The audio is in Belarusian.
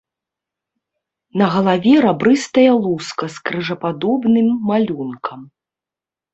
На галаве рабрыстая луска з крыжападобным малюнкам.